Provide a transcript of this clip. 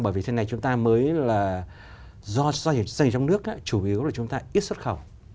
bởi vì thế này chúng ta mới là do doanh nghiệp xây trong nước chủ yếu là chúng ta ít xuất khẩu